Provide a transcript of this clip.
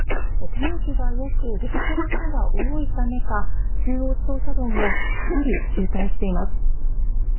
天気がよく出かける人が多いためか中央自動車道もかなり渋滞しています。